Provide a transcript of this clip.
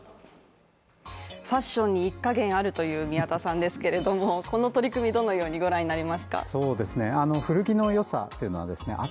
ファッションに一家言あるという宮田さんですけれども、この取り組みをどのようにご覧になりますかそうですね古着の良さというのはですね